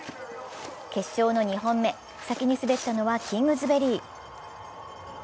決勝の２本目、先に滑ったのはキングズベリー。